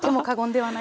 はい。